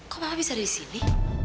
kok papa bisa ada di sini